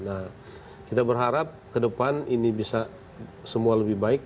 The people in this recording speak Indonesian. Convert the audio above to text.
nah kita berharap kedepan ini bisa semua lebih baik